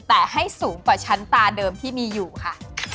แต่ให้สูงกว่าชั้นตาเดิมที่มีอยู่ค่ะ